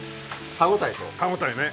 歯応えね。